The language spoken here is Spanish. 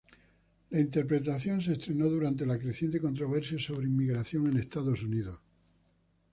La interpretación se estrenó durante la creciente controversia sobre inmigración en Estados Unidos.